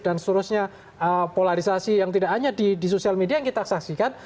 dan seterusnya polarisasi yang tidak hanya di sosial media yang kita saksikan